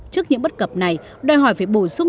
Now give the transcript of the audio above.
trước những bất cập này đòi hỏi phải bổ sung